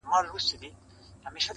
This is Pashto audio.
• د آدم خان د ربابي اوښکو مزل نه یمه -